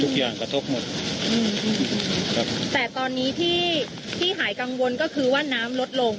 กระทบหมดอืมครับแต่ตอนนี้ที่ที่หายกังวลก็คือว่าน้ำลดลง